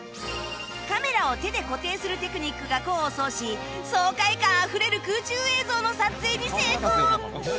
カメラを手で固定するテクニックが功を奏し爽快感あふれる空中映像の撮影に成功！